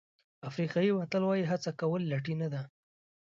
افریقایي متل وایي هڅه کول لټي نه ده.